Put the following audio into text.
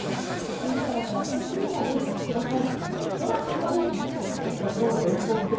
屋根からの落雪にもご注意ください。